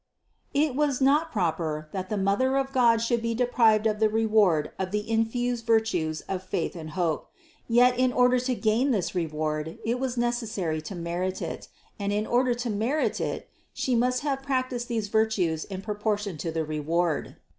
It was not proper, that the Mother of God should be deprived of the reward of the infused virtues of faith and hope ; yet in order to gain this reward, it was neces sary to merit it; and in order to merit it, She must have practiced these virtues in proportion to the reward.